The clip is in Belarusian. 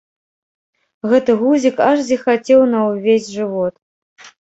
Гэты гузік аж зіхацеў на ўвесь жывот.